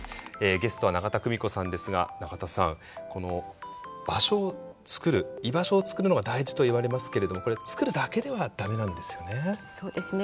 ゲストは永田久美子さんですが永田さん場所を作る居場所を作るのが大事といわれますけれどもこれ作るだけでは駄目なんですよね。